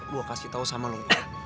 gue kasih tau sama luka